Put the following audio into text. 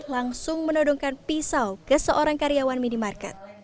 langsung menodongkan pisau ke seorang karyawan minimarket